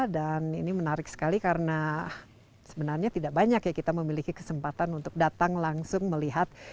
dan ini menarik sekali karena sebenarnya tidak banyak ya kita memiliki kesempatan untuk datang langsung melihat